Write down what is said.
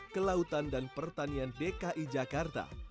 kelautan dan pertanian dki jakarta